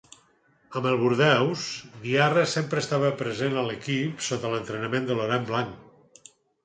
Amb el Bordeus, Diarra sempre estava present a l'equip sota l'entrenament de Laurent Blanc.